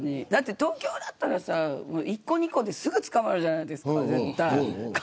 東京だったらさ、１個２個ですぐ捕まるじゃないですか。